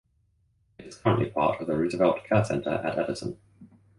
It is currently part of the Roosevelt Care Center at Edison.